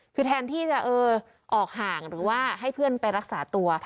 คือแทนที่จะออกห่างหรือว่าให้เพื่อนไปรักษาตัว